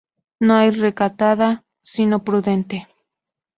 No soy recatada, sino prudente.